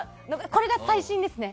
これが最新ですね。